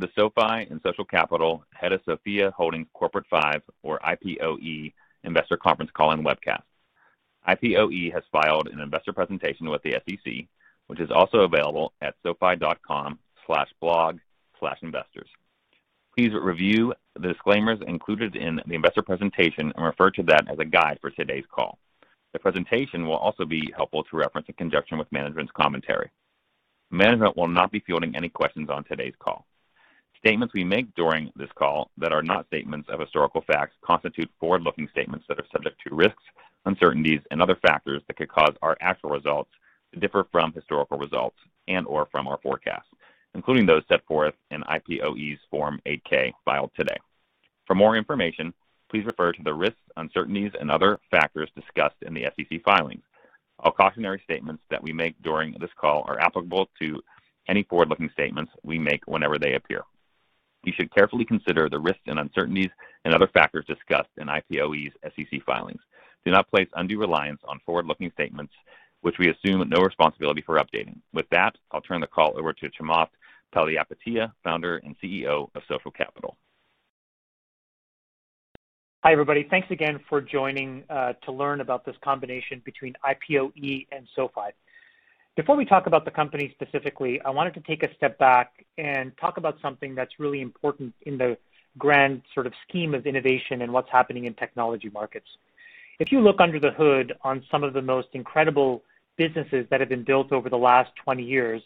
The SoFi and Social Capital Hedosophia Holdings Corp. V or IPOE Investor Conference Call and Webcast. IPOE has filed an investor presentation with the SEC, which is also available at sofi.com/blog/investors. Please review the disclaimers included in the investor presentation and refer to that as a guide for today's call. The presentation will also be helpful to reference in conjunction with management's commentary. Management will not be fielding any questions on today's call. Statements we make during this call that are not statements of historical facts constitute forward-looking statements that are subject to risks, uncertainties, and other factors that could cause our actual results to differ from historical results and/or from our forecasts, including those set forth in IPOE's Form 8-K filed today. For more information, please refer to the risks, uncertainties, and other factors discussed in the SEC filings. All cautionary statements that we make during this call are applicable to any forward-looking statements we make whenever they appear. You should carefully consider the risks and uncertainties and other factors discussed in IPOE's SEC filings. Do not place undue reliance on forward-looking statements, which we assume no responsibility for updating. With that, I'll turn the call over to Chamath Palihapitiya, Founder and CEO of Social Capital. Hi, everybody. Thanks again for joining to learn about this combination between IPOE and SoFi. Before we talk about the company specifically, I wanted to take a step back and talk about something that's really important in the grand sort of scheme of innovation and what's happening in technology markets. If you look under the hood on some of the most incredible businesses that have been built over the last 20 years,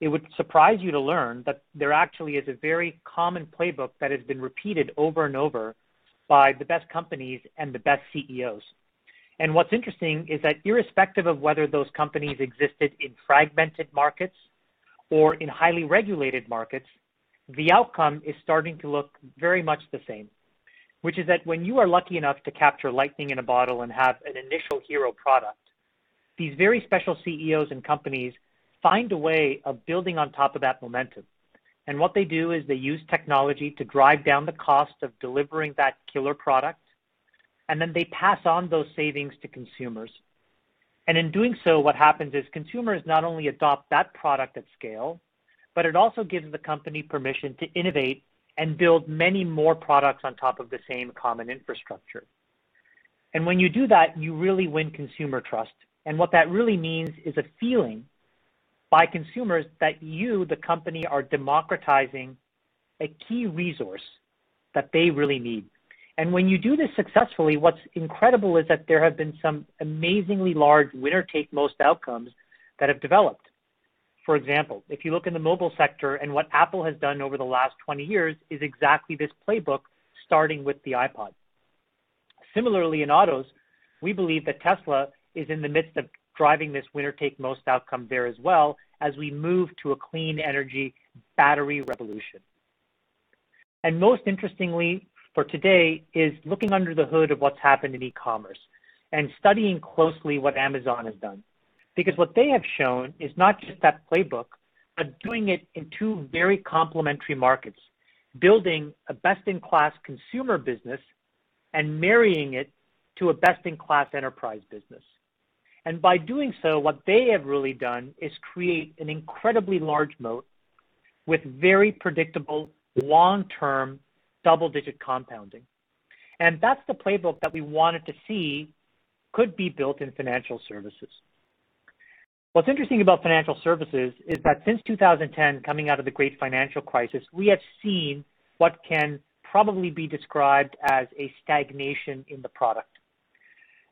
it would surprise you to learn that there actually is a very common playbook that has been repeated over and over by the best companies and the best CEOs. What's interesting is that, irrespective of whether those companies existed in fragmented markets or in highly regulated markets, the outcome is starting to look very much the same. Which is that when you are lucky enough to capture lightning in a bottle and have an initial hero product, these very special CEOs and companies find a way of building on top of that momentum. What they do is they use technology to drive down the cost of delivering that killer product, and then they pass on those savings to consumers. In doing so, what happens is that consumers not only adopt that product at scale, but it also gives the company permission to innovate and build many more products on top of the same common infrastructure. When you do that, you really win consumer trust. What that really means is a feeling by consumers that you, the company, are democratizing a key resource that they really need. When you do this successfully, what's incredible is that there have been some amazingly large winner-take-most outcomes that have developed. For example, if you look in the mobile sector and what Apple has done over the last 20 years is exactly this playbook, starting with the iPod. Similarly, in autos, we believe that Tesla is in the midst of driving this winner-take-most outcome there as we move to a clean energy battery revolution. Most interestingly for today is looking under the hood of what's happened in e-commerce and studying closely what Amazon has done. Because what they have shown is not just that playbook, but doing it in two very complementary markets. Building a best-in-class consumer business and marrying it to a best-in-class enterprise business. By doing so, what they have really done is create an incredibly large moat with very predictable long-term double-digit compounding. That's the playbook that we wanted to see could be built in financial services. What's interesting about financial services is that since 2010, coming out of the great financial crisis, we have seen what can probably be described as a stagnation in the product.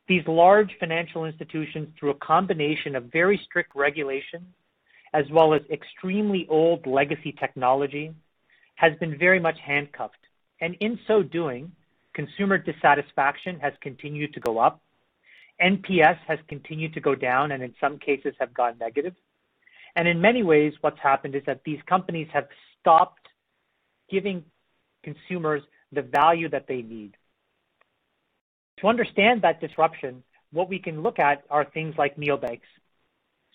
These large financial institutions, through a combination of very strict regulation as well as extremely old legacy technology, have been very much handcuffed. In so doing, consumer dissatisfaction has continued to go up. NPS has continued to go down, and in some cases, has gone negative. In many ways, what's happened is that these companies have stopped giving consumers the value that they need. To understand that disruption, what we can look at are things like neobanks.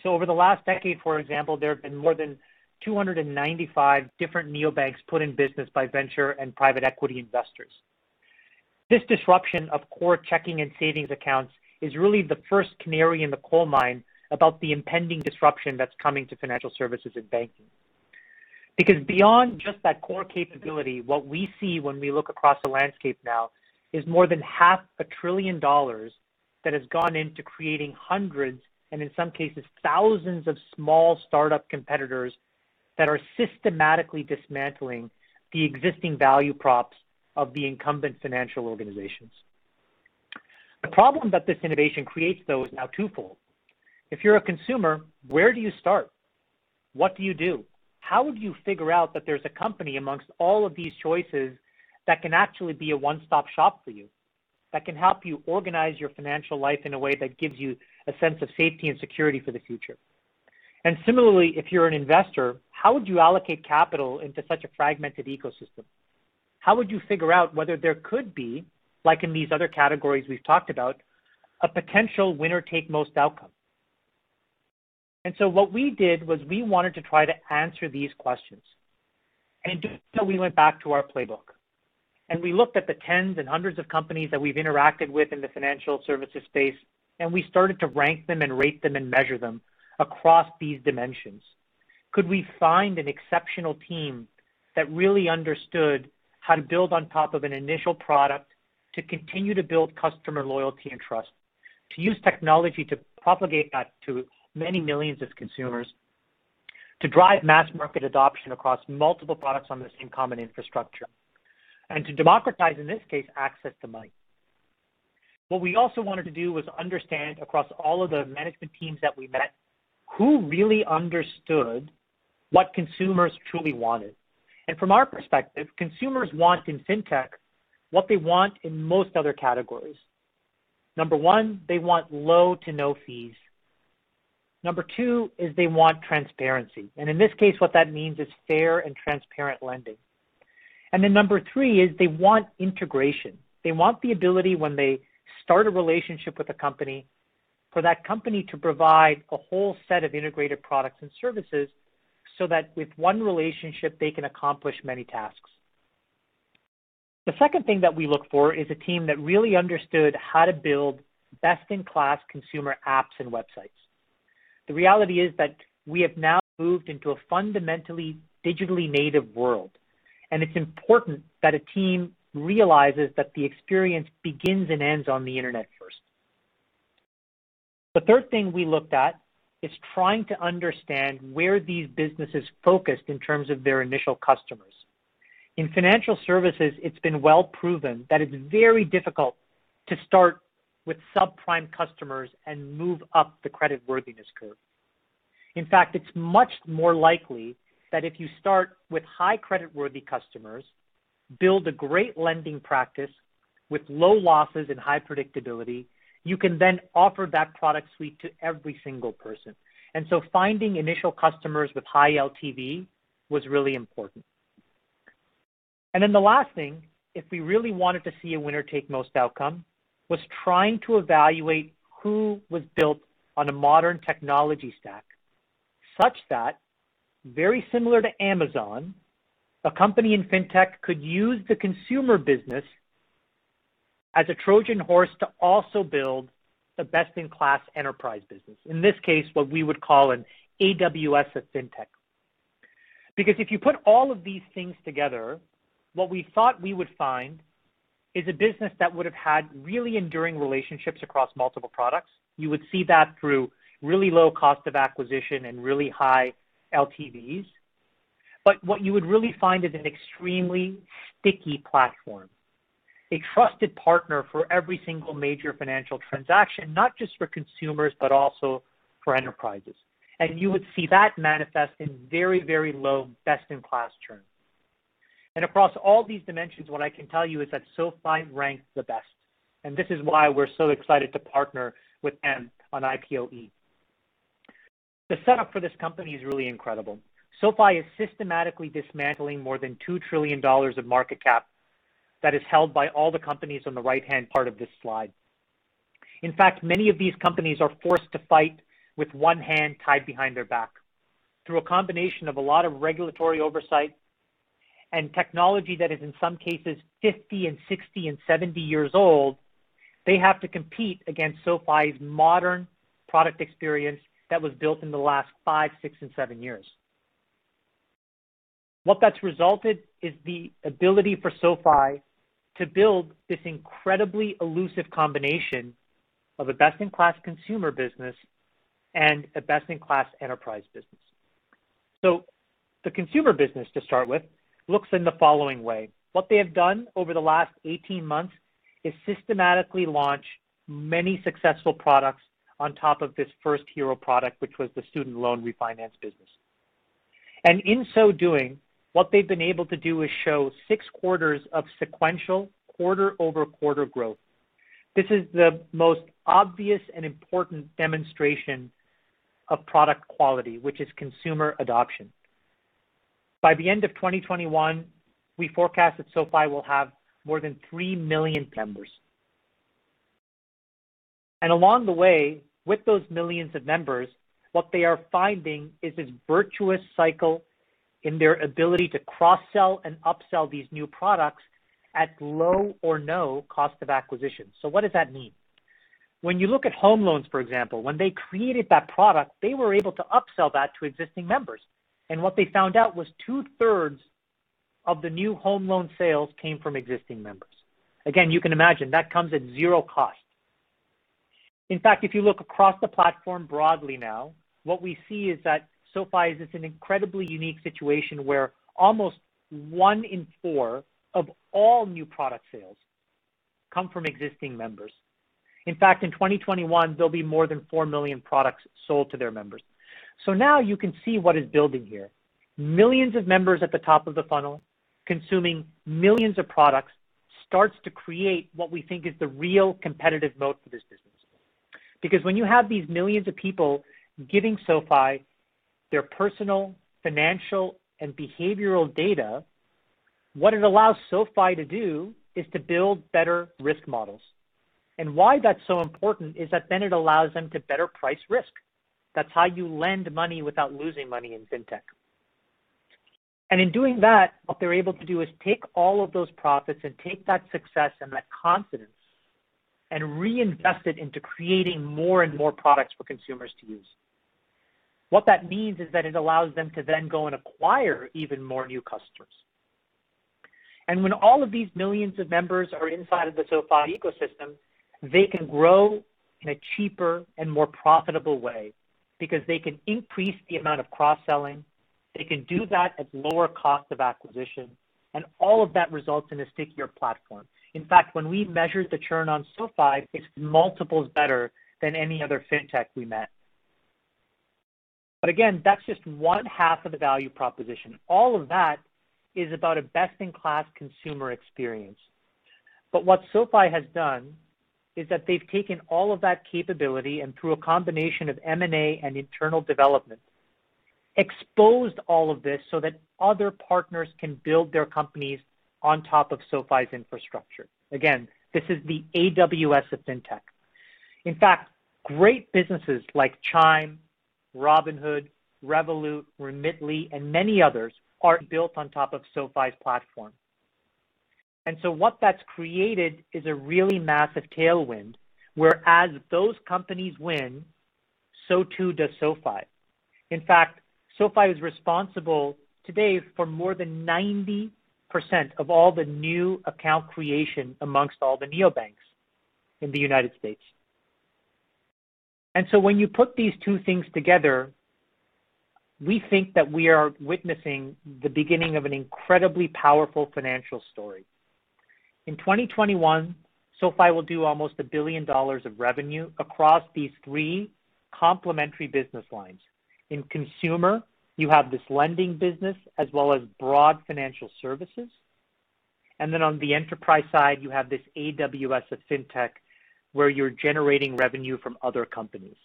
Over the last decade, for example, there have been more than 295 different neobanks put into business by venture and private equity investors. This disruption of core checking and savings accounts is really the first canary in the coal mine about the impending disruption that's coming to financial services and banking. Beyond just that core capability, what we see when we look across the landscape now is more than half a trillion dollars that has gone into creating hundreds, and in some cases thousands of small startup competitors that are systematically dismantling the existing value props of the incumbent financial organizations. The problem that this innovation creates, though, is now twofold. If you're a consumer, where do you start? What do you do? How would you figure out that there's a company amongst all of these choices that can actually be a one-stop shop for you, that can help you organize your financial life in a way that gives you a sense of safety and security for the future? Similarly, if you're an investor, how would you allocate capital into such a fragmented ecosystem? How would you figure out whether there could be, like in these other categories we've talked about, a potential winner-take-most outcome? What we did was we wanted to try to answer these questions. In doing so, we went back to our playbook, and we looked at the tens and hundreds of companies that we've interacted with in the financial services space, and we started to rank them, rate them, and measure them across these dimensions. Could we find an exceptional team that really understood how to build on top of an initial product to continue to build customer loyalty and trust, to use technology to propagate that to many millions of consumers, to drive mass market adoption across multiple products on the same common infrastructure, and to democratize, in this case, access to money? What we also wanted to do was understand, across all of the management teams that we met, who really understood what consumers truly wanted. From our perspective, consumers want in fintech what they want in most other categories. Number one, they want low to no fees. Number two is they want transparency. In this case, what that means is fair and transparent lending. Number three is that they want integration. They want the ability, when they start a relationship with a company, for that company to provide a whole set of integrated products and services, so that with one relationship, they can accomplish many tasks. The second thing that we look for is a team that really understands how to build best-in-class consumer apps and websites. The reality is that we have now moved into a fundamentally digitally native world, and it's important that a team realizes that the experience begins and ends on the internet first. The third thing we looked at was trying to understand where these businesses focused in terms of their initial customers. In financial services, it's been well proven that it's very difficult to start with subprime customers and move up the creditworthiness curve. In fact, it's much more likely that if you start with high creditworthy customers, build a great lending practice with low losses and high predictability, you can then offer that product suite to every single person. Finding initial customers with high LTV was really important. The last thing, if we really wanted to see a winner-take-most outcome, was trying to evaluate who was built on a modern technology stack, such that, very similar to Amazon, a company in fintech could use the consumer business as a Trojan horse to also build a best-in-class enterprise business. In this case, what we would call an AWS of fintech. If you put all of these things together, what we thought we would find is a business that would have had really enduring relationships across multiple products. You would see that through the really low cost of acquisition and the really high LTVs. What you would really find is an extremely sticky platform, a trusted partner for every single major financial transaction, not just for consumers, but also for enterprises. You would see that manifest in very, very low best-in-class churn. Across all these dimensions, what I can tell you is that SoFi ranks the best, and this is why we're so excited to partner with them on IPOE. The setup for this company is really incredible. SoFi is systematically dismantling more than $2 trillion of market cap that is held by all the companies on the right-hand part of this slide. In fact, many of these companies are forced to fight with one hand tied behind their back. Through a combination of a lot of regulatory oversight and technology that is in some cases 50, 60, and 70 years old, they have to compete against SoFi's modern product experience that was built in the last five, six, and seven years. What that's resulted is the ability for SoFi to build this incredibly elusive combination of a best-in-class consumer business and a best-in-class enterprise business. The consumer business, to start with, looks in the following way. What they have done over the last 18 months is systematically launch many successful products on top of this first hero product, which was the student loan refinance business. In so doing, what they've been able to do is show six quarters of sequential quarter-over-quarter growth. This is the most obvious and important demonstration of product quality, which is consumer adoption. By the end of 2021, we forecast that SoFi will have more than 3 million members. Along the way, with those millions of members, what they are finding is this virtuous cycle in their ability to cross-sell and upsell these new products at low or no cost of acquisition. What does that mean? When you look at home loans, for example, when they created that product, they were able to upsell that to existing members. What they found out was that two-thirds of the new home loan sales came from existing members. Again, you can imagine that comes at zero cost. In fact, if you look across the platform broadly now, what we see is that SoFi is in an incredibly unique situation where almost one in four of all new product sales comes from existing members. In fact, in 2021, there'll be more than 4 million products sold to their members. Now you can see what is building here. Millions of members at the top of the funnel, consuming millions of products, start to create what we think is the real competitive moat for this business. When you have these millions of people giving SoFi their personal financial and behavioral data. What it allows SoFi to do is to build better risk models. Why that's so important is that it allows them to better price risk. That's how you lend money without losing money in fintech. In doing that, what they're able to do is take all of those profits and take that success and that confidence and reinvest it into creating more and more products for consumers to use. What that means is that it allows them to then go and acquire even more new customers. When all of these millions of members are inside the SoFi ecosystem, they can grow in a cheaper and more profitable way because they can increase the amount of cross-selling, they can do that at a lower cost of acquisition, and all of that results in a stickier platform. In fact, when we measured the churn on SoFi, it's multiple times better than any other fintech we met. Again, that's just one half of the value proposition. All of that is about a best-in-class consumer experience. What SoFi has done is that they've taken all of that capability, and through a combination of M&A and internal development, exposed all of this so that other partners can build their companies on top of SoFi's infrastructure. Again, this is the AWS of fintech. In fact, great businesses like Chime, Robinhood, Revolut, Remitly, and many others are built on top of SoFi's platform. what that's been created is a really massive tailwind, where as those companies win, so too does SoFi. In fact, SoFi is responsible today for more than 90% of all the new account creation amongst all the neobanks in the United States. When you put these two things together, we think that we are witnessing the beginning of an incredibly powerful financial story. In 2021, SoFi will do almost $1 billion in revenue across these three complementary business lines. In consumer, you have this lending business as well as broad financial services. On the enterprise side, you have this AWS of fintech, where you're generating revenue from other companies.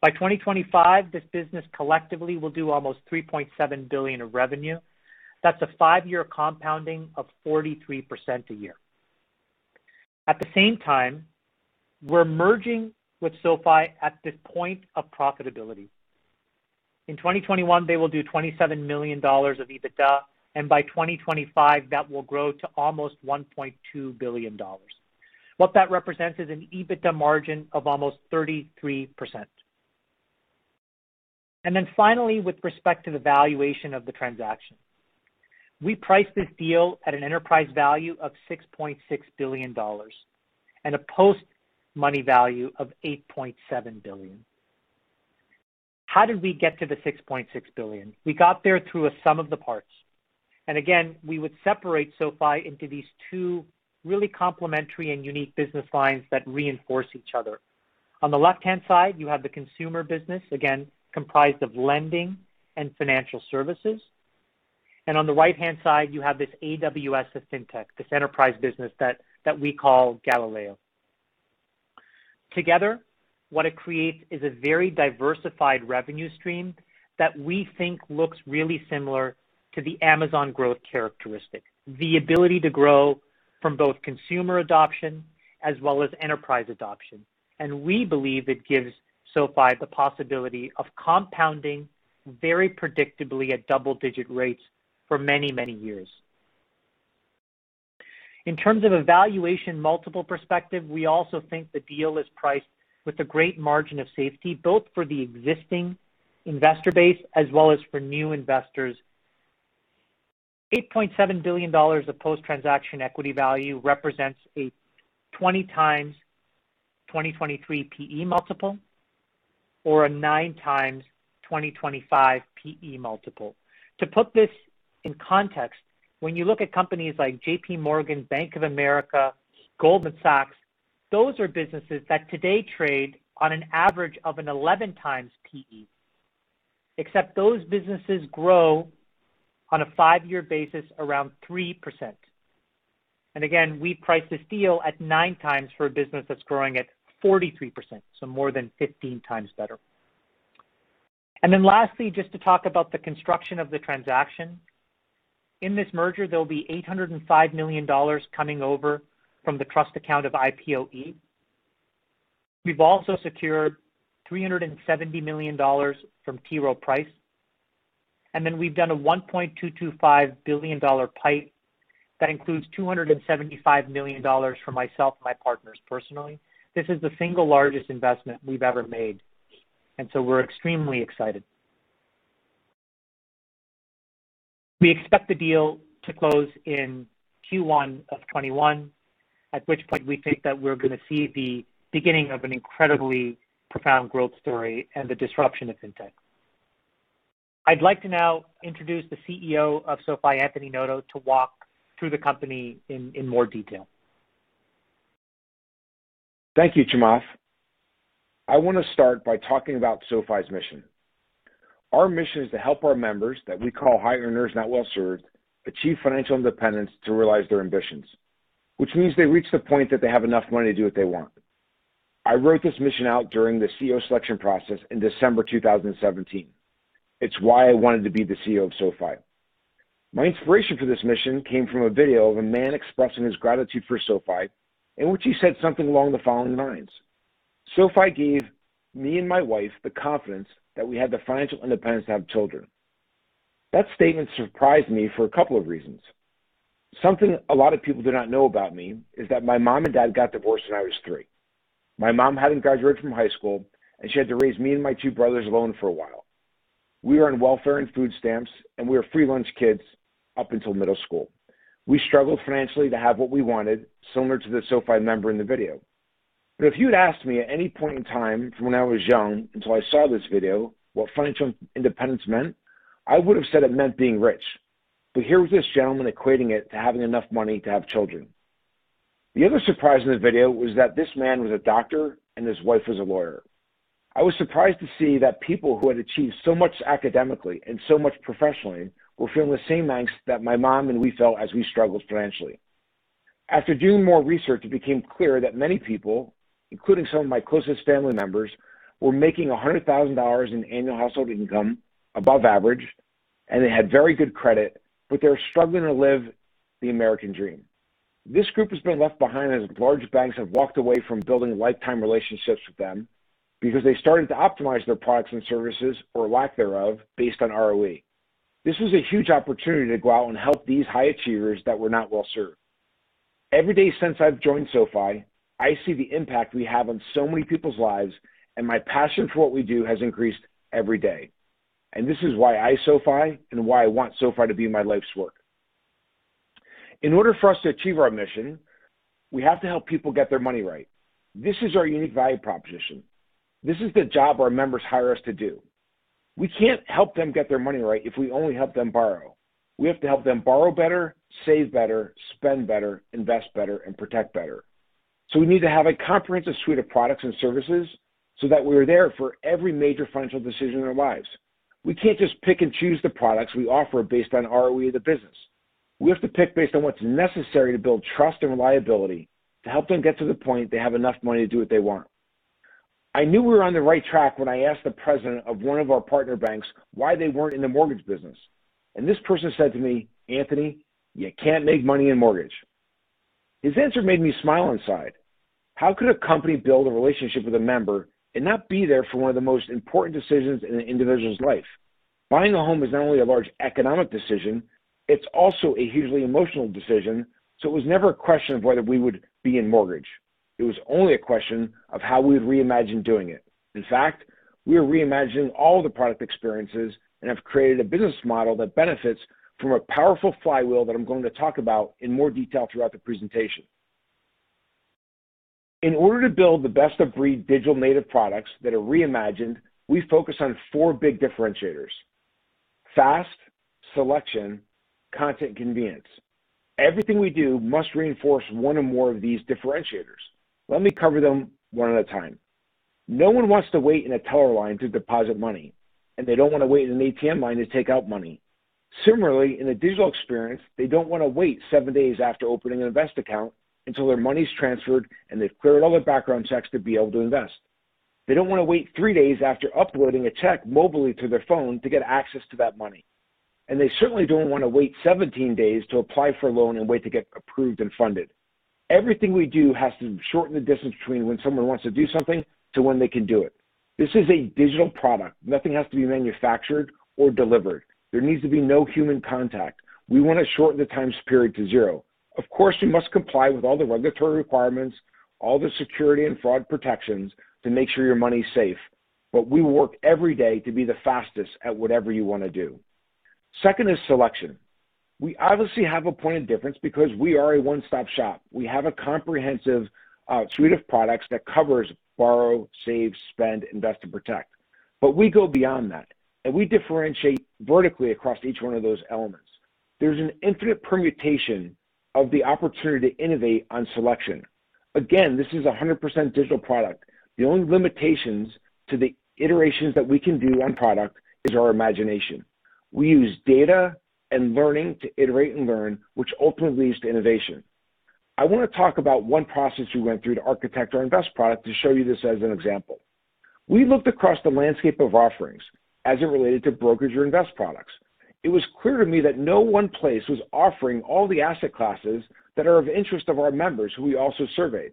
By 2025, this business will collectively do almost $3.7 billion in revenue. That's a five-year compounding of 43% a year. At the same time, we're merging with SoFi at this point of profitability. In 2021, they will do $27 million of EBITDA, and by 2025, that will grow to almost $1.2 billion. What that represents is an EBITDA margin of almost 33%. Finally, with respect to the valuation of the transaction, we priced this deal at an enterprise value of $6.6 billion and a post-money value of $8.7 billion. How did we get to the $6.6 billion? We got there through a sum of the parts. Again, we would separate SoFi into these two really complementary and unique business lines that reinforce each other. On the left-hand side, you have the consumer business, again, comprised of lending and financial services. On the right-hand side, you have this AWS of fintech, this enterprise business that we call Galileo. Together, what it creates is a very diversified revenue stream that we think looks really similar to the Amazon growth characteristic, the ability to grow from both consumer adoption and enterprise adoption. We believe it gives SoFi the possibility of compounding very predictably at double-digit rates for many, many years. In terms of a valuation multiple perspective, we also think the deal is priced with a great margin of safety, both for the existing investor base as well as for new investors. $8.7 billion of post-transaction equity value represents a 20x 2023 PE multiple or a 9x 2025 PE multiple. To put this in context, when you look at companies like JPMorgan, Bank of America, Goldman Sachs, those are businesses that today trade on an average of an 11x PE, except those businesses grow on a five-year basis around 3%. Again, we price this deal at nine times for a business that's growing at 43%, so more than 15x better. Lastly, just to talk about the construction of the transaction. In this merger, there'll be $805 million coming over from the trust account of IPOE. We've also secured $370 million from T. Rowe Price, and then we've done a $1.225 billion PIPE that includes $275 million from myself and my partners personally. This is the single largest investment we've ever made, and so we're extremely excited. We expect the deal to close in Q1 of 2021, at which point we think that we're going to see the beginning of an incredibly profound growth story and the disruption of fintech. I'd like to now introduce the CEO of SoFi, Anthony Noto, to walk through the company in more detail. Thank you, Chamath. I want to start by talking about SoFi's mission. Our mission is to help our members, whom we call high earners, not well served, achieve financial independence to realize their ambitions, which means they reach the point where they have enough money to do what they want. I wrote this mission out during the CEO selection process in December 2017. It's why I wanted to be the CEO of SoFi. My inspiration for this mission came from a video of a man expressing his gratitude for SoFi, in which he said something along the following lines. SoFi gave my wife and me the confidence that we had the financial independence to have children. That statement surprised me for a couple of reasons. Something a lot of people do not know about me is that my mom and dad got divorced when I was three. My mom hadn't graduated from high school, and she had to raise my two brothers and me alone for a while. We were on welfare and food stamps, and we were free lunch kids up until middle school. We struggled financially to have what we wanted, similar to the SoFi member in the video. If you'd asked me at any point in time from when I was young until I saw this video what financial independence meant, I would've said it meant being rich. Here was this gentleman equating it to having enough money to have children. The other surprise in the video was that this man was a doctor and his wife was a lawyer. I was surprised to see that people who had achieved so much academically and so much professionally were feeling the same angst that my mom and I felt as we struggled financially. After doing more research, it became clear that many people, including some of my closest family members, were making $100,000 in annual household income above average, and they had very good credit, but they were struggling to live the American dream. This group has been left behind as large banks have walked away from building lifetime relationships with them because they started to optimize their products and services, or lack thereof, based on ROE. This was a huge opportunity to go out and help these high achievers who were not well-served. Every day since I've joined SoFi, I see the impact we have on so many people's lives, and my passion for what we do has increased every day. This is why I SoFi, and why I want SoFi to be my life's work. In order for us to achieve our mission, we have to help people get their money right. This is our unique value proposition. This is the job our members hire us to do. We can't help them get their money right if we only help them borrow. We have to help them borrow better, save better, spend better, invest better, and protect better. We need to have a comprehensive suite of products and services so that we are there for every major financial decision in their lives. We can't just pick and choose the products we offer based on the ROE of the business. We have to pick based on what's necessary to build trust and reliability to help them get to the point where they have enough money to do what they want. I knew we were on the right track when I asked the president of one of our partner banks why they weren't in the mortgage business. This person said to me, "Anthony, you can't make money in mortgages ." His answer made me smile inside. How could a company build a relationship with a member and not be there for one of the most important decisions in an individual's life? Buying a home is not only a large economic decision, but it's also a hugely emotional decision, so it was never a question of whether we would get a mortgage. It was only a question of how we would reimagine doing it. In fact, we are reimagining all the product experiences and have created a business model that benefits from a powerful flywheel that I'm going to talk about in more detail throughout the presentation. In order to build the best-of-breed digital native products that are reimagined, we focus on four big differentiators: fast, selection, content, and convenience. Everything we do must reinforce one or more of these differentiators. Let me cover them one at a time. No one wants to wait in a teller line to deposit money, and they don't want to wait in an ATM line to take out money. Similarly, in the digital experience, they don't want to wait seven days after opening an investment account until their money's transferred and they've cleared all their background checks to be able to invest. They don't want to wait three days after uploading a check mobile through their phone to get access to that money. They certainly don't want to wait 17 days to apply for a loan and wait to get approved and funded. Everything we do has to shorten the distance between when someone wants to do something to when they can do it. This is a digital product. Nothing has to be manufactured or delivered. There needs to be no human contact. We want to shorten the time period to zero. Of course, we must comply with all the regulatory requirements, all the security and fraud protections to make sure your money's safe. We work every day to be the fastest at whatever you want to do. Second is selection. We obviously have a point of difference because we are a one-stop shop. We have a comprehensive suite of products that covers borrow, save, spend, invest, and protect. We go beyond that, and we differentiate vertically across each one of those elements. There's an infinite permutation of opportunities to innovate on selection. Again, this is a 100% digital product. The only limitations to the iterations that we can do on the product is our imagination. We use data and learning to iterate and learn, which ultimately leads to innovation. I want to talk about one process we went through to architect our investment product to show you this as an example. We looked across the landscape of offerings as it related to brokerage or investment products. It was clear to me that no one place was offering all the asset classes that are of interest to our members, whom we also surveyed.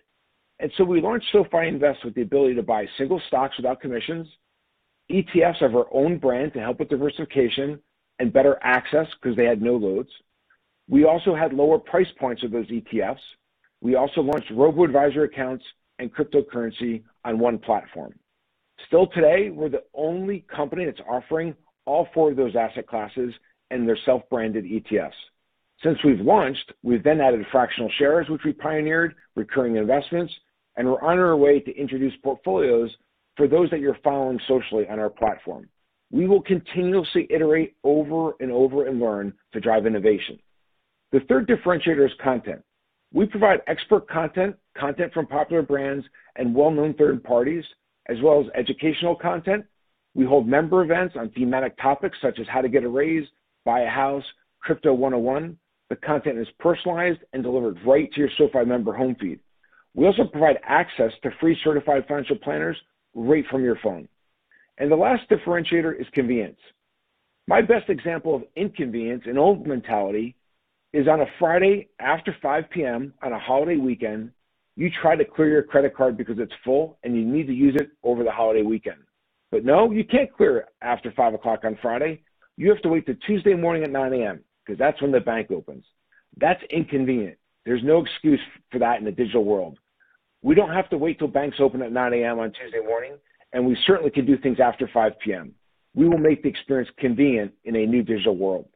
we launched SoFi Invest with the ability to buy single stocks without commissions, ETFs of our own brand to help with diversification and better access because they had no loads. We also had lower price points for those ETFs. We also launched robo-advisor accounts and cryptocurrency on one platform. Still today, we're the only company that's offering all four of those asset classes and their self-branded ETFs. Since we've launched, we've then added fractional shares, which we pioneered, recurring investments, and we're on our way to introducing portfolios for those that you're following socially on our platform. We will continuously iterate over and over and learn to drive innovation. The third differentiator is content. We provide expert content from popular brands and well-known third parties, as well as educational content. We hold member events on thematic topics such as how to get a raise, buy a house, and Crypto 101. The content is personalized and delivered right to your SoFi member home feed. We also provide access to free certified financial planners right from your phone. The last differentiator is convenience. My best example of inconvenience and old mentality is on a Friday after 5:00 P.M. on a holiday weekend, you try to clear your credit card because it's full, and you need to use it over the holiday weekend. No, you can't clear it after 5:00 on Friday. You have to wait till Tuesday morning at 9:00 A.M. because that's when the bank opens. That's inconvenient. There's no excuse for that in the digital world. We don't have to wait till banks open at 9:00 A.M. on Tuesday morning, and we certainly can do things after 5:00 P.M. We will make the experience convenient in a new digital world.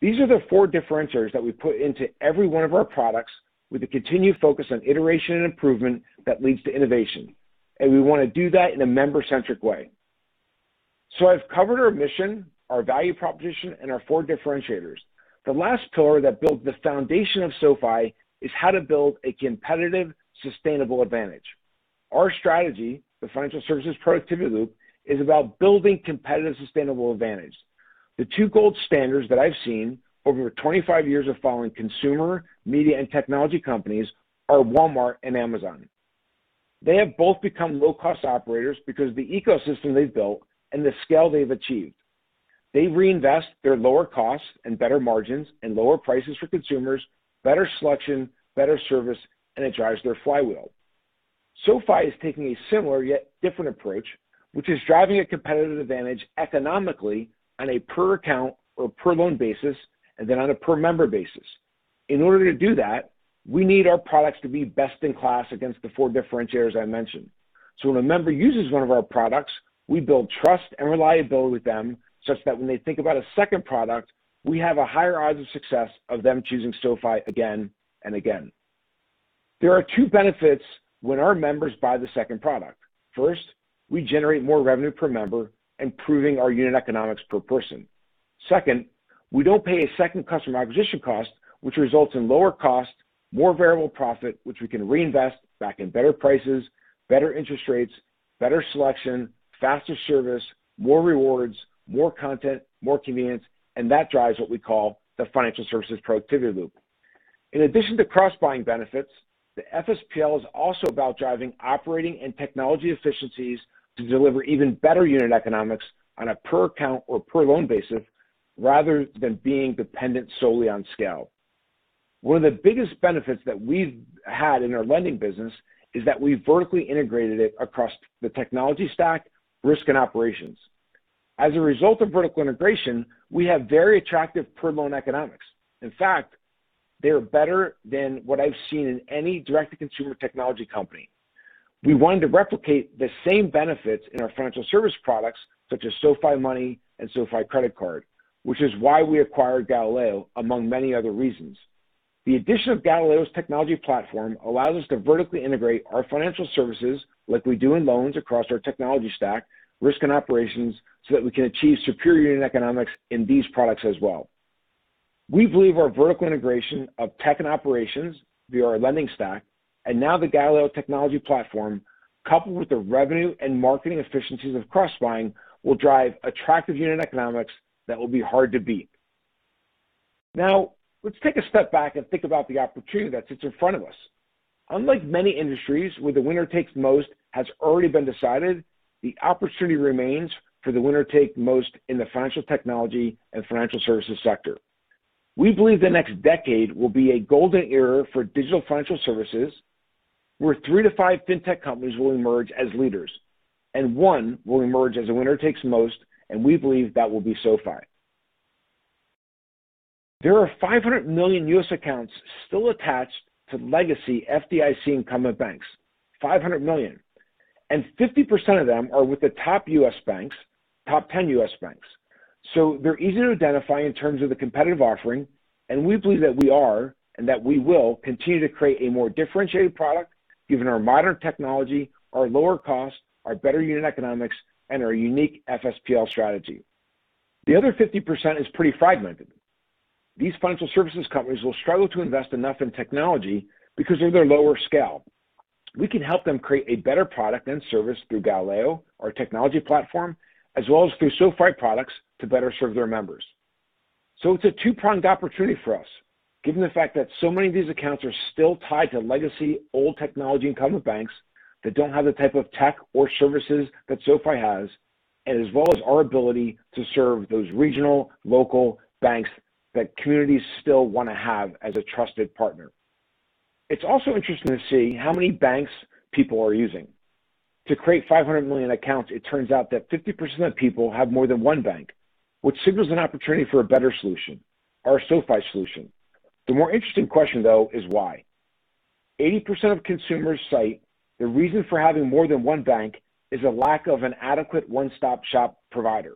These are the four differentiators that we put into every one of our products with a continued focus on iteration and improvement that leads to innovation, and we want to do that in a member-centric way. I've covered our mission, our value proposition, and our four differentiators. The last pillar that built the foundation of SoFi is how to build a competitive, sustainable advantage. Our strategy, the Financial Services Productivity Loop, is about building competitive, sustainable advantage. The two gold standards that I've seen over 25 years of following consumer, media, and technology companies are Walmart and Amazon. They have both become low-cost operators because of the ecosystem they've built and the scale they've achieved. They reinvest their lower costs and better margins and lower prices for consumers, better selection, better service, and it drives their flywheel. SoFi is taking a similar yet different approach, which is driving a competitive advantage economically on a per-account or per-loan basis and then on a per-member basis. In order to do that, we need our products to be best in class against the four differentiators I mentioned. When a member uses one of our products, we build trust and reliability with them such that when they think about a second product, we have a higher odds of success of them choosing SoFi again and again. There are two benefits when our members buy the second product. First, we generate more revenue per member, improving our unit economics per person. Second, we don't pay a second customer acquisition cost, which results in lower cost, more variable profit, which we can reinvest back in better prices, better interest rates, better selection, faster service, more rewards, more content, more convenience, and that drives what we call the Financial Services Productivity Loop. In addition to cross-buying benefits, the FSPL is also about driving operating and technology efficiencies to deliver even better unit economics on a per-account or per-loan basis rather than being dependent solely on scale. One of the biggest benefits that we've had in our lending business is that we've vertically integrated it across the technology stack, risk, and operations. As a result of vertical integration, we have very attractive per-loan economics. In fact, they are better than what I've seen in any direct-to-consumer technology company. We wanted to replicate the same benefits in our financial service products, such as SoFi Money and SoFi Credit Card, which is why we acquired Galileo, among many other reasons. The addition of Galileo's technology platform allows us to vertically integrate our financial services like we do in loans across our technology stack, risk, and operations, so that we can achieve superior unit economics in these products as well. We believe our vertical integration of tech and operations via our lending stack and now the Galileo technology platform, coupled with the revenue and marketing efficiencies of cross-buying, will drive attractive unit economics that will be hard to beat. Now, let's take a step back and think about the opportunity that sits in front of us. Unlike many industries where the winner takes most has already been decided, the opportunity remains for the winner to take most in the financial technology and financial services sector. We believe the next decade will be a golden era for digital financial services, where three to five fintech companies will emerge as leaders, and one will emerge as the winner takes most, and we believe that will be SoFi. There are 500 million U.S. accounts still attached to legacy FDIC incumbent banks. 500 million. 50% of them are with the top U.S. banks, the top 10 U.S. banks. They're easy to identify in terms of the competitive offering, and we believe that we are and that we will continue to create a more differentiated product given our modern technology, our lower cost, our better unit economics, and our unique FSPL strategy. The other 50% is pretty fragmented. These financial services companies will struggle to invest enough in technology because of their lower scale. We can help them create a better product and service through Galileo, our technology platform, as well as through SoFi products to better serve their members. It's a two-pronged opportunity for us, given the fact that so many of these accounts are still tied to legacy old technology incumbent banks that don't have the type of tech or services that SoFi has, as well as our ability to serve those regional, local banks that communities still want to have as a trusted partner. It's also interesting to see how many banks people are using. To create 500 million accounts, it turns out that 50% of people have more than one bank account, which signals an opportunity for a better solution, our SoFi solution. The more interesting question, though, is why. 80% of consumers cite the reason for having more than one bank is a lack of an adequate one-stop-shop provider.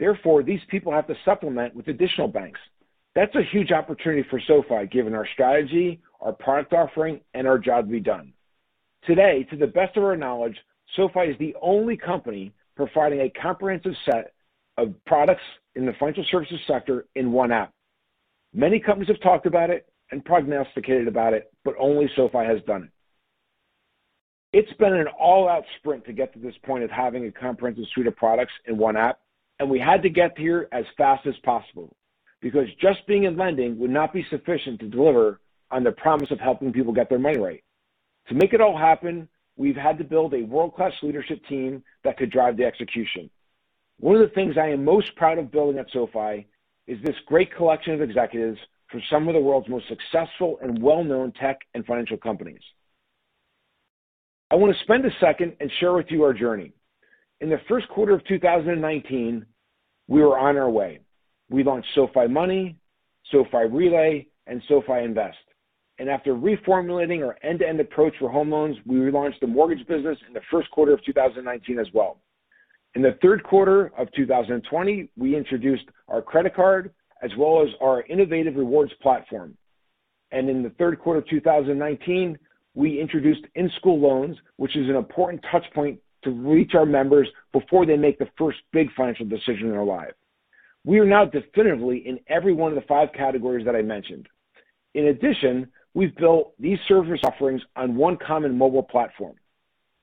Therefore, these people have to supplement with additional banks. That's a huge opportunity for SoFi, given our strategy, our product offering, and our job to be done. Today, to the best of our knowledge, SoFi is the only company providing a comprehensive set of products in the financial services sector in one app. Many companies have talked about it and prognosticated about it, but only SoFi has done it. It's been an all-out sprint to get to this point of having a comprehensive suite of products in one app, and we had to get here as fast as possible because just being in lending would not be sufficient to deliver on the promise of helping people get their money right. To make it all happen, we've had to build a world-class leadership team that could drive the execution. One of the things I am most proud of building at SoFi is this great collection of executives from some of the world's most successful and well-known tech and financial companies. I want to spend a second and share with you our journey. In the first quarter of 2019, we were on our way. We launched SoFi Money, SoFi Relay, and SoFi Invest. After reformulating our end-to-end approach for home loans, we relaunched the mortgage business in the first quarter of 2019 as well. In the third quarter of 2020, we introduced our credit card as well as our innovative rewards platform. In the third quarter of 2019, we introduced in-school loans, which is an important touchpoint to reach our members before they make the first big financial decision in their lives. We are now definitely in every one of the five categories that I mentioned. In addition, we've built these service offerings on one common mobile platform.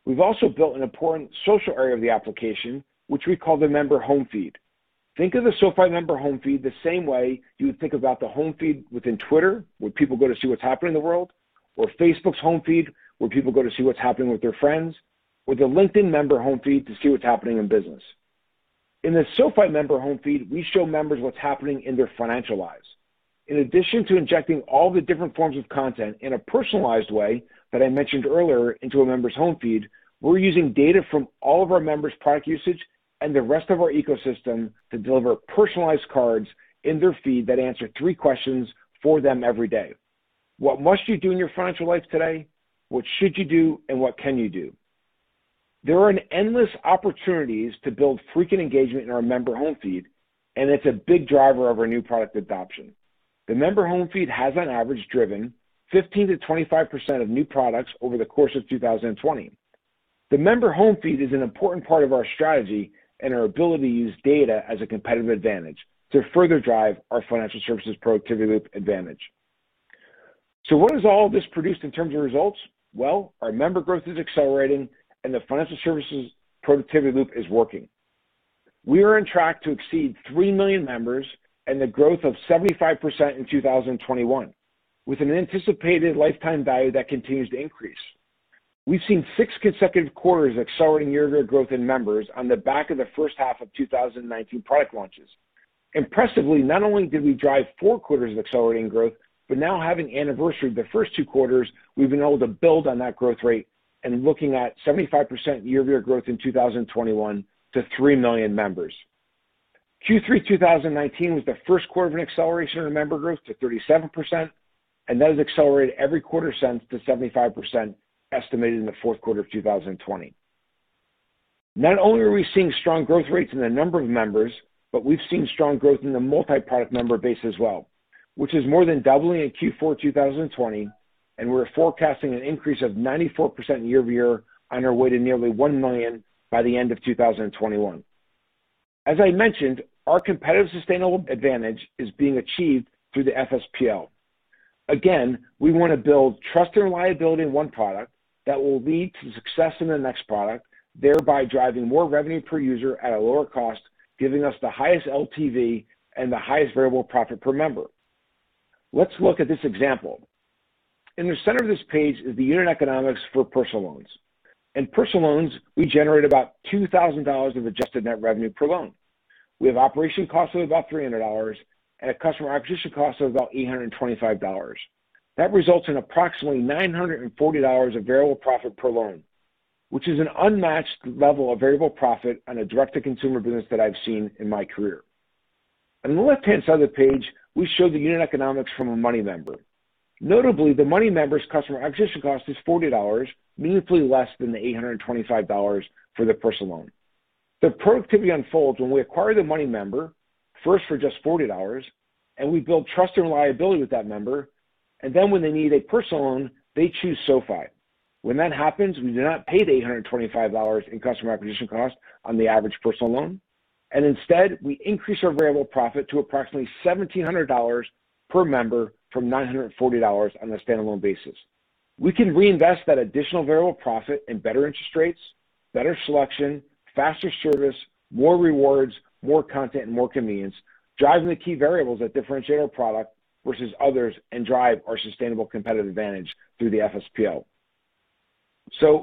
We've also built an important social area of the application, which we call the member home feed. Think of the SoFi member home feed the same way you would think about the home feed within Twitter, where people go to see what's happening in the world, or Facebook's home feed, where people go to see what's happening with their friends, or the LinkedIn member home feed to see what's happening in business. In the SoFi member home feed, we show members what's happening in their financial lives. In addition to injecting all the different forms of content in a personalized way that I mentioned earlier into a member's home feed, we're using data from all of our members' product usage and the rest of our ecosystem to deliver personalized cards in their feed that answer three questions for them every day. What must you do in your financial life today? What should you do? What can you do? There are endless opportunities to build frequent engagement in our member home feed, and it's a big driver of our new product adoption. The member home feed has, on average, driven 15%-25% of new products over the course of 2020. The member home feed is an important part of our strategy and our ability to use data as a competitive advantage to further drive our Financial Services Productivity Loop advantage. What has all this produced in terms of results? Well, our member growth is accelerating, and the Financial Services Productivity Loop is working. We are on track to exceed 3 million members and the growth of 75% in 2021, with an anticipated lifetime value that continues to increase. We've seen six consecutive quarters of accelerating year-over-year growth in members on the back of the first half of 2019 product launches. Impressively, not only did we drive four quarters of accelerating growth, but now, having anniversaried the first two quarters, we've been able to build on that growth rate and are looking at 75% year-over-year growth in 2021 to 3 million members. Q3 2019 was the first quarter of an acceleration in member growth to 37%, and that has accelerated every quarter since to 75% estimated in the fourth quarter of 2020. Not only are we seeing strong growth rates in the number of members, but we've seen strong growth in the multi-product member base as well, which is more than doubling in Q4 2020, and we're forecasting an increase of 94% year-over-year on our way to nearly 1,000,000 by the end of 2021. As I mentioned, our competitive sustainable advantage is being achieved through the FSPL. Again, we want to build trust and reliability in one product that will lead to success in the next product, thereby driving more revenue per user at a lower cost, giving us the highest LTV and the highest variable profit per member. Let's look at this example. In the center of this page is the unit economics for personal loans. In personal loans, we generate about $2,000 of adjusted net revenue per loan. We have operation costs of about $300 and a customer acquisition cost of about $825. That results in approximately $940 of variable profit per loan, which is an unmatched level of variable profit on a direct-to-consumer business that I've seen in my career. On the left-hand side of the page, we show the unit economics from a Money member. Notably, the Money member's customer acquisition cost is $40, meaningfully less than the $825 for the personal loan. The productivity unfolds when we acquire the Money member, first for just $40, and we build trust and reliability with that member, and then, when they need a personal loan, they choose SoFi. When that happens, we do not pay the $825 in customer acquisition cost on the average personal loan, and instead, we increase our variable profit to approximately $1,700 per member from $940 on a stand-alone basis. We can reinvest that additional variable profit in better interest rates, better selection, faster service, more rewards, more content, and more convenience, driving the key variables that differentiate our product versus others and drive our sustainable competitive advantage through the FSPL.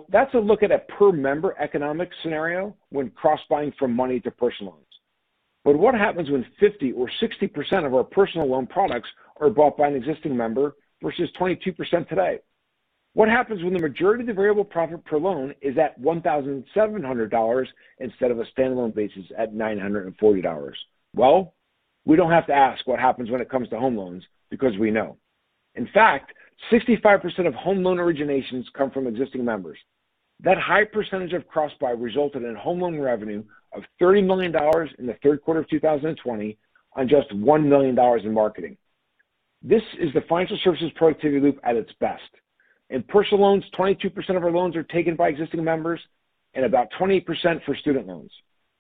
That's a look at a per-member economic scenario when cross-buying from Money to personal loans. What happens when 50% or 60% of our personal loan products are bought by an existing member versus 22% today? What happens when the majority of the variable profit per loan is at $1,700 instead of a stand-alone basis at $940? Well, we don't have to ask what happens when it comes to home loans because we know. In fact, 65% of home loan originations come from existing members. That high percentage of cross-buy resulted in home loan revenue of $30 million in the third quarter of 2020 on just $1 million in marketing. This is the Financial Services Productivity Loop at its best. In personal loans, 22% of our loans are taken by existing members, and about 20% for student loans.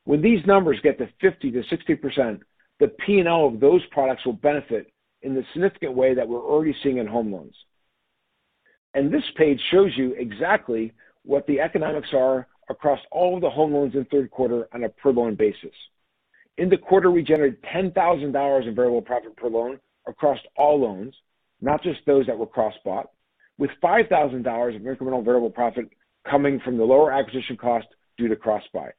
When these numbers get to 50% to 60%, the P&L of those products will benefit in a significant way that we're already seeing in home loans. This page shows you exactly what the economics are across all of the home loans in the third quarter on a per-loan basis. In the quarter, we generated $10,000 of variable profit per loan across all loans, not just those that were cross-bought, with $5,000 of incremental variable profit coming from the lower acquisition cost due to cross-buy.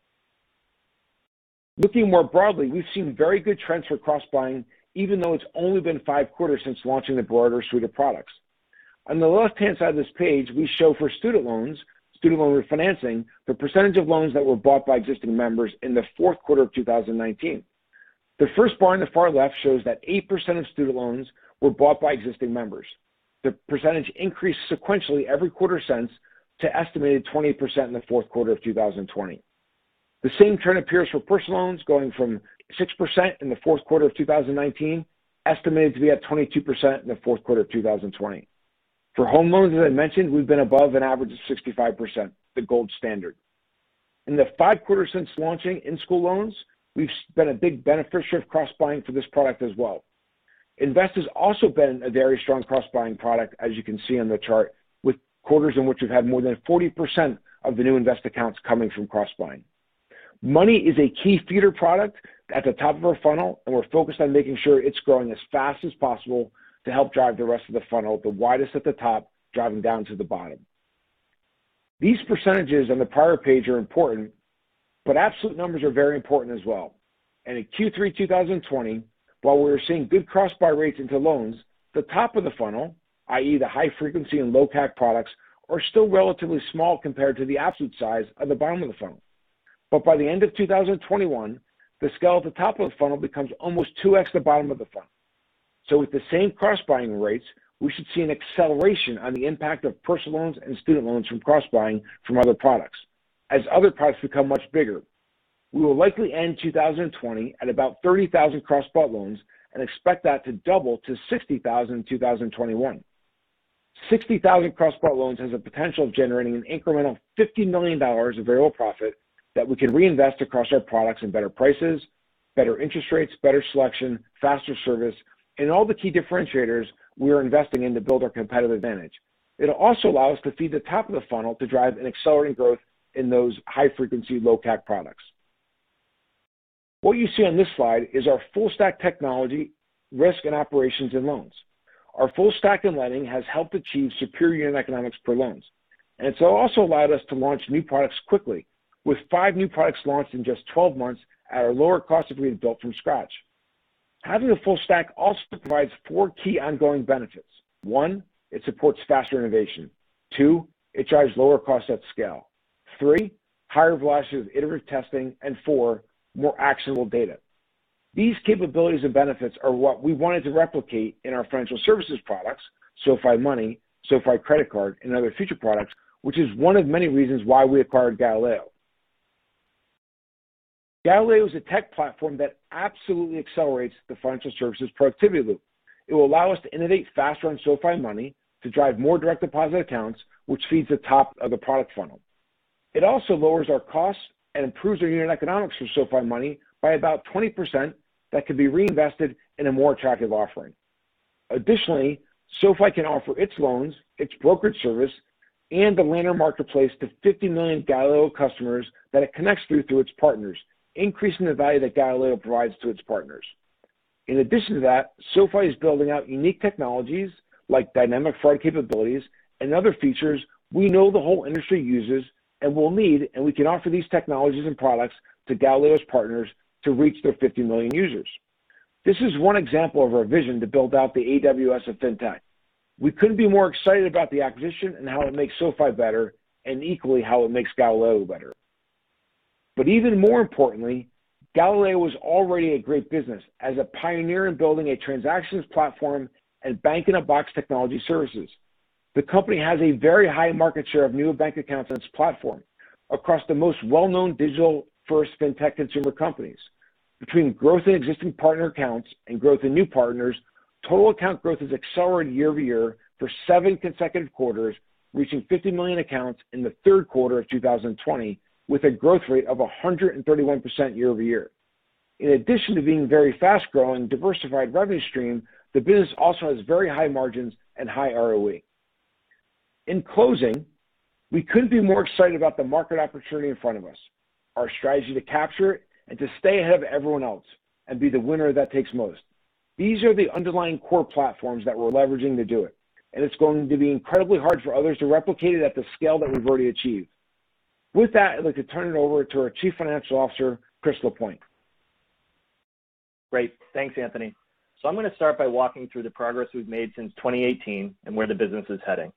Looking more broadly, we've seen very good trends for cross-buying, even though it's only been five quarters since launching the broader suite of products. On the left-hand side of this page, we show for student loans and student loan refinancing, the percentage of loans that were bought by existing members in the fourth quarter of 2019. The first bar on the far left shows that 8% of student loans were bought by existing members. The percentage increased sequentially every quarter since the estimated 20% in the fourth quarter of 2020. The same trend appears for personal loans, going from 6% in the fourth quarter of 2019 to be at 22% in the fourth quarter of 2020. For home loans, as I mentioned, we've been above an average of 65%, the gold standard. In the five quarters since launching in-school loans, we've been a big beneficiary of cross-buying for this product as well. Invest has also been a very strong cross-buying product, as you can see on the chart, with quarters in which we've had more than 40% of the new invest accounts coming from cross-buying. Money is a key feeder product at the top of our funnel, and we're focused on making sure it's growing as fast as possible to help drive the rest of the funnel, the widest at the top, driving down to the bottom. These percentages on the prior page are important, but absolute numbers are very important as well. In Q3 2020, while we were seeing good cross-buy rates into loans, the top of the funnel, i.e., the high frequency and low CAC products, is still relatively small compared to the absolute size of the bottom of the funnel. By the end of 2021, the scale at the top of the funnel becomes almost 2x the bottom of the funnel. With the same cross-buying rates, we should see an acceleration in the impact of personal loans and student loans from cross-buying from other products as other products become much bigger. We will likely end 2020 at about 30,000 cross-bought loans and expect that to double to 60,000 in 2021. 60,000 cross-bought loans have the potential of generating an incremental $50 million of variable profit that we could reinvest across our products in better prices, better interest rates, better selection, faster service, and all the key differentiators we are investing in to build our competitive advantage. It'll also allow us to feed the top of the funnel to drive an accelerating growth in those high-frequency, low-CAC products. What you see on this slide is our full-stack technology, risk, and operations in loans. Our full-stack in lending has helped achieve superior unit economics per loan. It's also allowed us to launch new products quickly, with five new products launched in just 12 months at a lower cost than if we had built from scratch. Having a full-stack also provides four key ongoing benefits. One, it supports faster innovation. Two, it drives lower costs at scale. Three, higher velocity of iterative testing, and four, more actionable data. These capabilities and benefits are what we wanted to replicate in our financial services products, SoFi Money, SoFi Credit Card, and other future products, which is one of many reasons why we acquired Galileo. Galileo is a tech platform that absolutely accelerates the Financial Services Productivity Loop. It will allow us to innovate faster on SoFi Money to drive more direct deposit accounts, which feed the top of the product funnel. It also lowers our costs and improves our unit economics for SoFi Money by about 20% that could be reinvested in a more attractive offering. Additionally, SoFi can offer its loans, its brokerage service, and the lender marketplace to 50 million Galileo customers that it connects through to its partners, increasing the value that Galileo provides to its partners. In addition to that, SoFi is building out unique technologies like dynamic fraud capabilities and other features we know the whole industry uses and will need, and we can offer these technologies and products to Galileo's partners to reach their 50 million users. This is one example of our vision to build out the AWS of Fintech. We couldn't be more excited about the acquisition and how it makes SoFi better, and equally how it makes Galileo better. Even more importantly, Galileo was already a great business as a pioneer in building a transactions platform and bank-in-a-box technology services. The company has a very high market share of new bank accounts on its platform across the most well-known digital-first fintech consumer companies. Between growth in existing partner accounts and growth in new partners, total account growth has accelerated year-over-year for seven consecutive quarters, reaching 50 million accounts in the third quarter of 2020, with a growth rate of 131% year-over-year. In addition to being very fast-growing, diversified revenue stream, the business also has very high margins and high ROE. In closing, we couldn't be more excited about the market opportunity in front of us, our strategy to capture it, and to stay ahead of everyone else and be the winner that takes most. These are the underlying core platforms that we're leveraging to do it, and it's going to be incredibly hard for others to replicate it at the scale that we've already achieved. With that, I'd like to turn it over to our Chief Financial Officer, Chris Lapointe. Great. Thanks, Anthony. I'm going to start by walking through the progress we've made since 2018 and where the business is heading.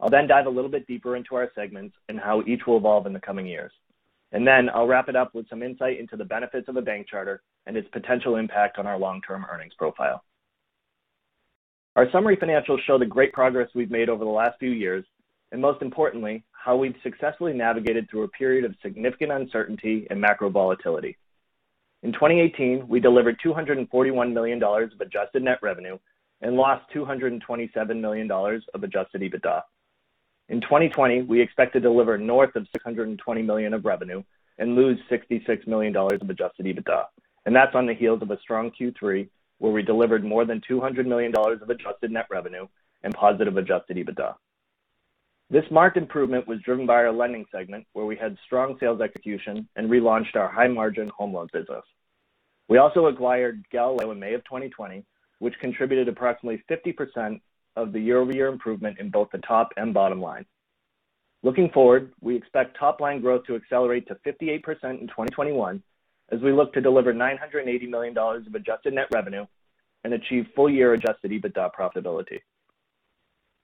I'll then dive a little bit deeper into our segments and how each will evolve in the coming years. I'll wrap it up with some insight into the benefits of a bank charter and its potential impact on our long-term earnings profile. Our summary financials show the great progress we've made over the last few years, and most importantly, how we've successfully navigated through a period of significant uncertainty and macro volatility. In 2018, we delivered $241 million of adjusted net revenue and lost $227 million of Adjusted EBITDA. In 2020, we expect to deliver north of $620 million of revenue and lose $66 million of Adjusted EBITDA. That's on the heels of a strong Q3, where we delivered more than $200 million of adjusted net revenue and positive Adjusted EBITDA. This marked improvement was driven by our lending segment, where we had strong sales execution and relaunched our high-margin home loan business. We also acquired Galileo in May of 2020, which contributed approximately 50% of the year-over-year improvement in both the top and bottom line. Looking forward, we expect top-line growth to accelerate to 58% in 2021, as we look to deliver $980 million of adjusted net revenue and achieve full-year Adjusted EBITDA profitability.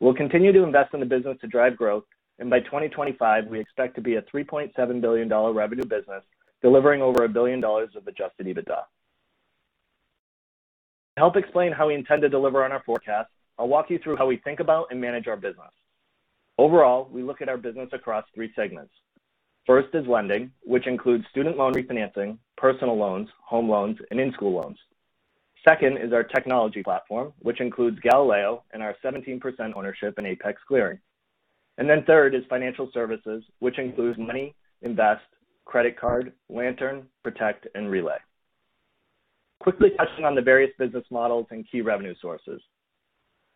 We'll continue to invest in the business to drive growth, and by 2025, we expect to be a $3.7 billion revenue business delivering over $1 billion of Adjusted EBITDA. To help explain how we intend to deliver on our forecast, I'll walk you through how we think about and manage our business. Overall, we look at our business across three segments. First is lending, which includes student loan refinancing, personal loans, home loans, and in-school loans. Second is our technology platform, which includes Galileo and our 17% ownership in Apex Clearing. Third is financial services, which includes Money, Invest, Credit Card, Lantern, Protect, and Relay. Quickly touching on the various business models and key revenue sources.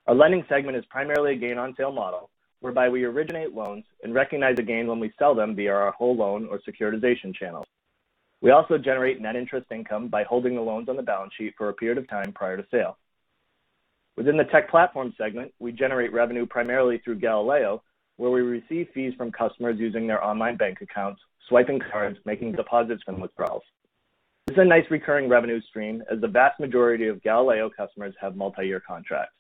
Our lending segment is primarily a gain-on-sale model, whereby we originate loans and recognize a gain when we sell them via our whole loan or securitization channel. We also generate net interest income by holding the loans on the balance sheet for a period of time prior to sale. Within the tech platform segment, we generate revenue primarily through Galileo, where we receive fees from customers using their online bank accounts, swiping cards, making deposits, and withdrawals. This is a nice recurring revenue stream as the vast majority of Galileo customers have multi-year contracts.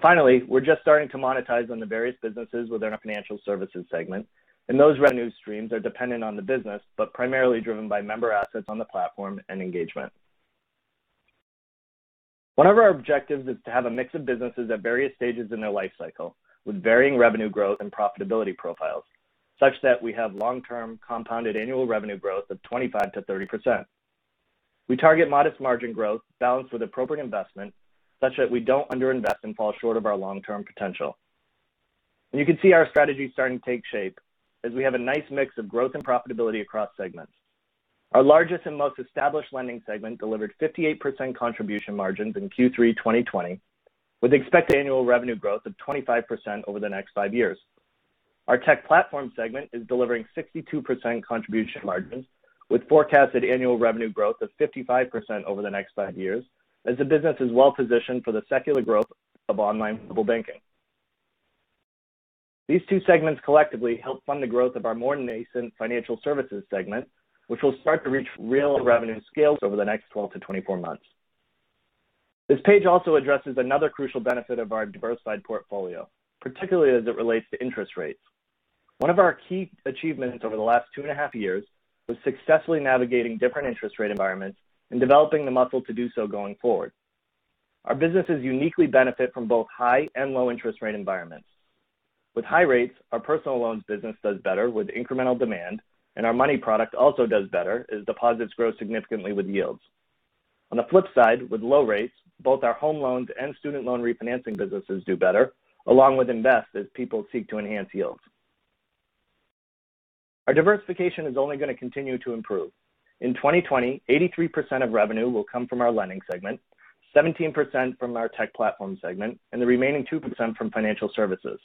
Finally, we're just starting to monetize on the various businesses within our financial services segment, and those revenue streams are dependent on the business, but primarily driven by member assets on the platform and engagement. One of our objectives is to have a mix of businesses at various stages in their life cycle with varying revenue growth and profitability profiles, such that we have long-term compounded annual revenue growth of 25%-30%. We target modest margin growth balanced with appropriate investment, such that we don't under-invest and fall short of our long-term potential. You can see our strategy starting to take shape as we have a nice mix of growth and profitability across segments. Our largest and most established lending segment delivered 58% contribution margins in Q3 2020, with expected annual revenue growth of 25% over the next five years. Our tech platform segment is delivering 62% contribution margins with forecasted annual revenue growth of 55% over the next five years, as the business is well-positioned for the secular growth of online mobile banking. These two segments collectively help fund the growth of our nascent financial services segment, which will start to reach real revenue scales over the next 12 to 24 months. This page also addresses another crucial benefit of our diversified portfolio, particularly as it relates to interest rates. One of our key achievements over the last two and a half years was successfully navigating different interest rate environments and developing the muscle to do so going forward. Our businesses uniquely benefit from both high and low interest rate environments. With high rates, our personal loans business does better with incremental demand, and our Money product also does better as deposits grow significantly with yields. On the flip side, with low rates, both our home loans and student loan refinancing businesses do better, along with investments, as people seek to enhance yields. Our diversification is only going to continue to improve. In 2020, 83% of revenue will come from our lending segment, 17% from our tech platform segment, and the remaining 2% from financial services.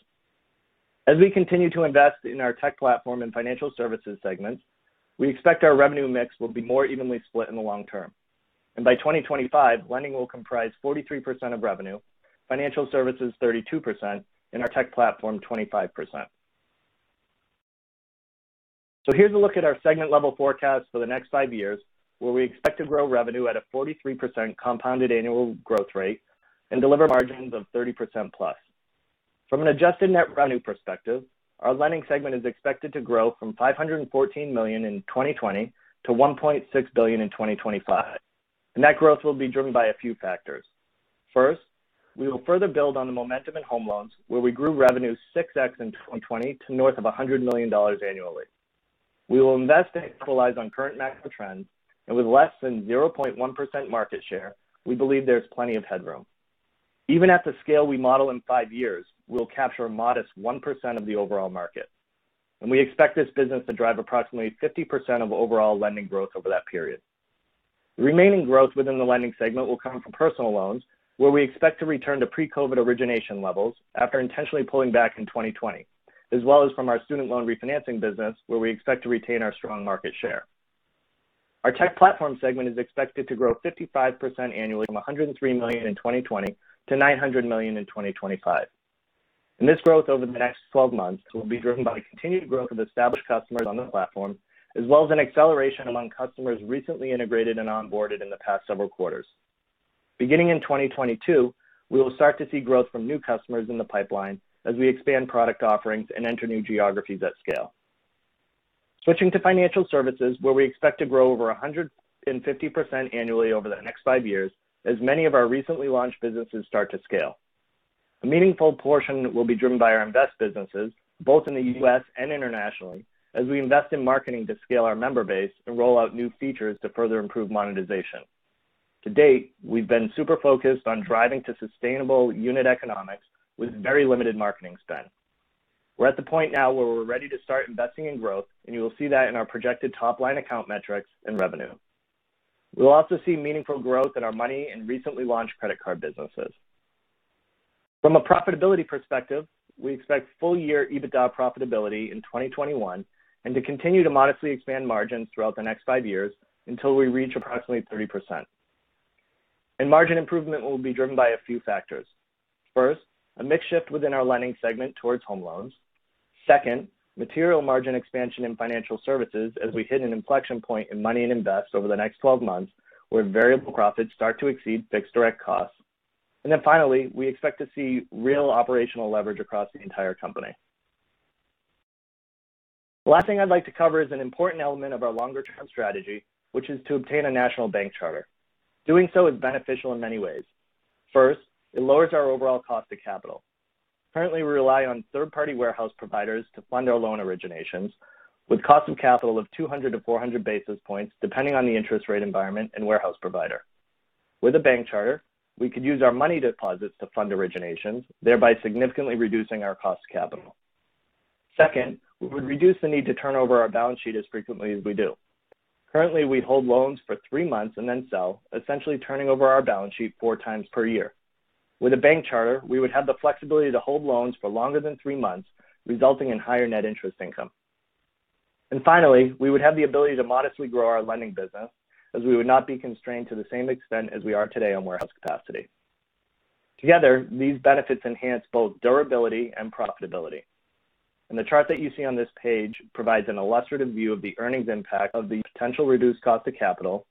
As we continue to invest in our tech platform and financial services segments, we expect our revenue mix to be more evenly split in the long term. By 2025, lending will comprise 43% of revenue, financial services 32%, and our tech platform 25%. Here's a look at our segment-level forecast for the next five years, where we expect to grow revenue at a 43% compounded annual growth rate and deliver margins of 30% plus. From an adjusted net revenue perspective, our lending segment is expected to grow from $514 million in 2020 to $1.6 billion in 2025. That growth will be driven by a few factors. First, we will further build on the momentum in home loans, where we grew revenue 6x in 2020 to north of $100 million annually. We will invest and capitalize on current macro trends, and with less than 0.1% market share, we believe there's plenty of headroom. Even at the scale we model in five years, we'll capture a modest 1% of the overall market. We expect this business to drive approximately 50% of overall lending growth over that period. The remaining growth within the lending segment will come from personal loans, where we expect to return to pre-COVID origination levels after intentionally pulling back in 2020, as well as from our student loan refinancing business, where we expect to retain our strong market share. Our tech platform segment is expected to grow 55% annually from $103 million in 2020 to $900 million in 2025. This growth over the next 12 months will be driven by the continued growth of established customers on the platform, as well as an acceleration among customers recently integrated and onboarded in the past several quarters. Beginning in 2022, we will start to see growth from new customers in the pipeline as we expand product offerings and enter new geographies at scale. Switching to financial services, where we expect to grow over 150% annually over the next five years, as many of our recently launched businesses start to scale. A meaningful portion will be driven by our Invest businesses, both in the U.S. and internationally, as we invest in marketing to scale our member base and roll out new features to further improve monetization. To date, we've been super focused on driving to sustainable unit economics with very limited marketing spend. We're at the point now where we're ready to start investing in growth, and you will see that in our projected top-line account metrics and revenue. We'll also see meaningful growth in our Money and recently launched Credit Card businesses. From a profitability perspective, we expect full-year EBITDA profitability in 2021 and to continue to modestly expand margins throughout the next five years until we reach approximately 30%. Margin improvement will be driven by a few factors. First, a mix shift within our lending segment towards home loans. Second, material margin expansion in financial services as we hit an inflection point in Money and Invest over the next 12 months, where variable profits start to exceed fixed direct costs. Finally, we expect to see real operational leverage across the entire company. The last thing I'd like to cover is an important element of our longer-term strategy, which is to obtain a national bank charter. Doing so is beneficial in many ways. First, it lowers our overall cost of capital. Currently, we rely on third-party warehouse providers to fund our loan originations, with a cost of capital of 200-400 basis points, depending on the interest rate environment and warehouse provider. With a bank charter, we could use our Money deposits to fund originations, thereby significantly reducing our cost of capital. Second, we would reduce the need to turn over our balance sheet as frequently as we do. Currently, we hold loans for three months and then sell, essentially turning over our balance sheet four times per year. With a bank charter, we would have the flexibility to hold loans for longer than three months, resulting in higher net interest income. Finally, we would have the ability to modestly grow our lending business as we would not be constrained to the same extent as we are today on warehouse capacity. Together, these benefits enhance both durability and profitability. The chart that you see on this page provides an illustrative view of the earnings impact of the potential reduced cost of capital,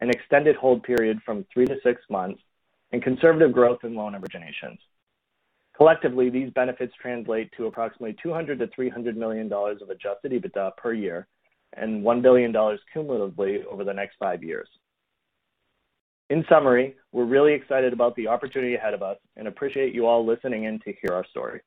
an extended hold period from three to six months, and conservative growth in loan originations. Collectively, these benefits translate to approximately $200 million-$300 million of Adjusted EBITDA per year and $1 billion cumulatively over the next five years. In summary, we're really excited about the opportunity ahead of us and appreciate you all listening in to hear our story.